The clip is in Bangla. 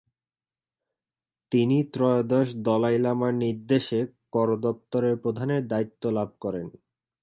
তিনি ত্রয়োদশ দলাই লামার নির্দেশে করদপ্তরের প্রধানের দায়িত্ব লাভ করেন।